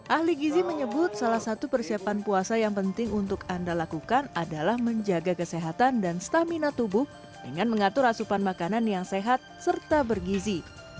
ahli gizi menyebut salah satu persiapan puasa yang penting untuk anda lakukan adalah menjaga kesehatan dan stamina tubuh dengan mengatur asupan makanan yang sehat serta bergizi